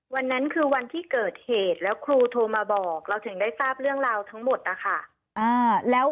วันนั้นคือวันที่เกิดเหตุแล้วครูโทรมาบอกเราถึงได้ทราบเรื่องราวทั้งหมดนะคะ